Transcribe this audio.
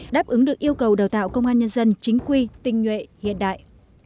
đáp ứng được yêu cầu đào tạo công an nhân dân chính quy tinh nhuệ hiện đại